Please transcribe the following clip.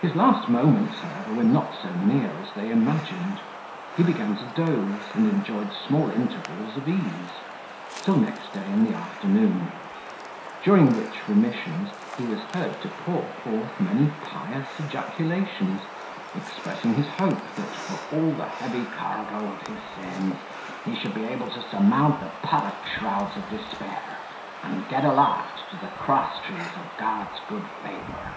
His last moments, however, were not so near as they imagined. He began to doze, and enjoyed small intervals of ease, till next day in the afternoon; during which remissions, he was heard to pour forth many pious ejaculations, expressing his hope, that, for all the heavy cargo of his sins, he should be able to surmount the puttock shrouds of despair, and get aloft to the cross trees of God's good favour.